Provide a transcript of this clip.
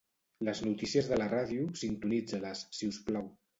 Les notícies de la ràdio, sintonitza-les, si us plau.